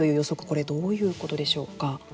これ、どういうことでしょうか。